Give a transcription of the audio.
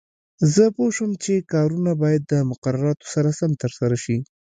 زه پوه شوم چې کارونه باید د مقرراتو سره سم ترسره شي.